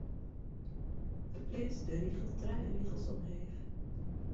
Ferpleats de rigel trije rigels omleech.